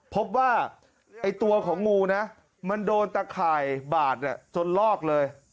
พบว่าไอ้ตัวของงูนะมันโดนตะข่ายบาดจนลอกเลย